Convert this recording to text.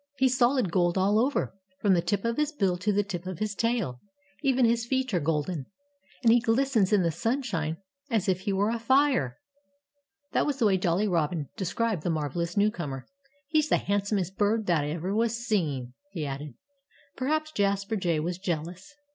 He's solid gold all over, from the tip of his bill to the tip of his tail. Even his feet are golden. And he glistens in the sunshine as if he were afire!" That was the way Jolly Robin described the marvellous newcomer. "He's the handsomest bird that ever was seen," he added. Perhaps Jasper Jay was jealous.